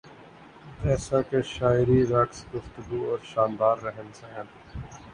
جیسا کہ شاعری رقص گفتگو اور شاندار رہن سہن